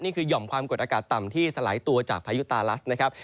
หย่อมความกดอากาศต่ำที่สลายตัวจากพายุตาลัสนะครับ